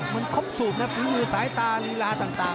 มันคบสูบนะฟรีวิวสายตาลีลาต่าง